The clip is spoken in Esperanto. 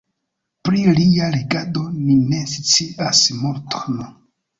Pri lia regado ni ne scias multon.